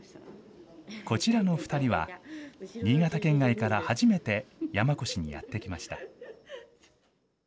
こちらの２人は、新潟県外から初めて山古志にやって来ました。